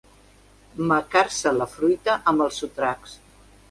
Macar-se la fruita amb els sotracs.